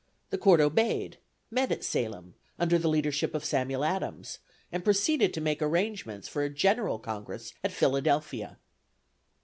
The court obeyed, met at Salem, under the leadership of Samuel Adams, and proceeded to make arrangements for a general congress at Philadelphia.